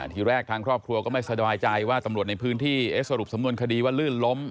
ทีแรกทางครอบครัวก็ไม่สบายใจว่าตำรวจในพื้นที่เอ๊ะสรุปสำนวนคดีว่าลื่นล้ม